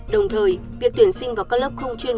đồng thời việc tuyển sinh vào các lớp không chuyên